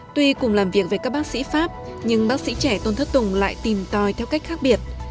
tuy cùng làm việc với các bác sĩ pháp nhưng bác sĩ trẻ tôn thất tùng lại tìm tòi theo cách khác biệt